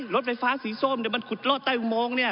รถไฟฟ้าสีส้มเดี๋ยวมันขุดลอดใต้มงเนี่ย